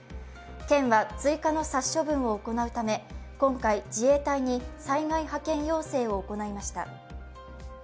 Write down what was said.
県は追加の殺処分を行うため今回、自衛隊に災害派遣要請を行いました。